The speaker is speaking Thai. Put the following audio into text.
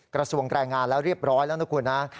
กระทรวงแรงงานแล้วเรียบร้อยแล้วนะคุณนะ